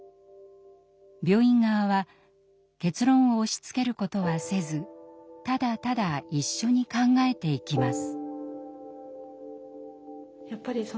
病院側は結論を押しつけることはせずただただ一緒に考えていきます。